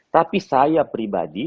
tapi saya pribadi